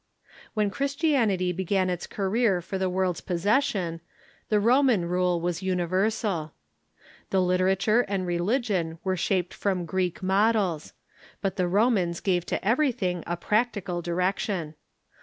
When Christianity began its career for the world's posses sion, the Roman rule was universal. The literature and re ligion were shaped from Greek models. But the ^''ImpiTe^" Romans gave to everything a practical direction.